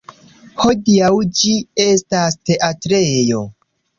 Hodiaŭ ĝi estas teatrejo.